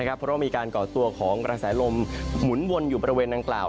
เพราะว่ามีการก่อตัวของกระแสลมหมุนวนอยู่บริเวณดังกล่าว